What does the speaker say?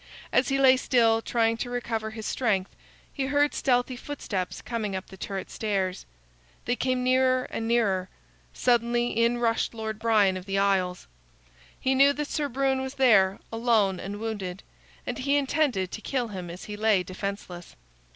As he lay still, trying to recover his strength, he heard stealthy footsteps coming up the turret stairs. They came nearer and nearer. Suddenly, in rushed Lord Brian of the Isles. He knew that Sir Brune was there, alone and wounded, and he intended to kill him as he lay defenseless.